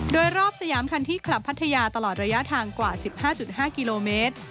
โดยรอบสยามคันที่คลับพัทยาตลอดระยะทางกว่า๑๕๕กิโลเมตร